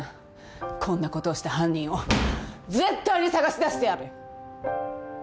こんなことをした犯人を絶対に捜し出してやる。